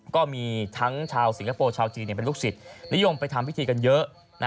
ก็มีทั้งชาวสิงคโปร์ชาวจีนเป็นลูกศิษย์นิยมไปทำพิธีกันเยอะ